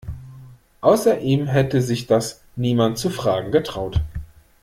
Außer ihm hätte sich das niemand zu fragen getraut.